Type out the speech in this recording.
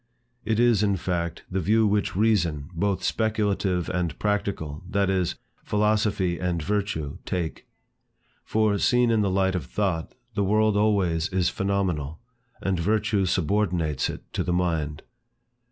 It is, in fact, the view which Reason, both speculative and practical, that is, philosophy and virtue, take. For, seen in the light of thought, the world always is phenomenal; and virtue subordinates it to the mind.